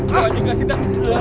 bawa juga sita